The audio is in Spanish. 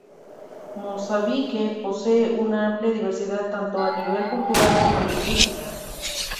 Mozambique posee una amplia diversidad tanto a nivel cultural como lingüística.